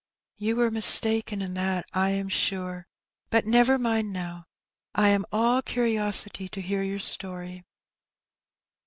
'^You were mistaken in that, I am sure; but never mind now, I am all curiosity to hear your story."